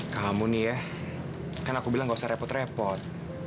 kamu nih ya kan aku bilang gak usah repot repot